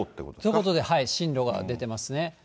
ということで、進路が出てますね。